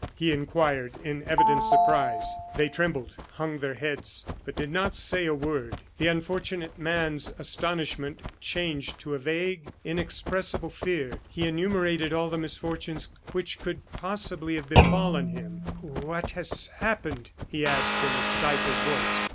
he inquired, in evident surprise. They trembled, hung their heads, but did not say a word. The unfortunate man's astonishment changed to a vague, inexpressible fear. He enumerated all the misfortunes which could possibly have befallen him. "What has happened?" he asked, in a stifled voice.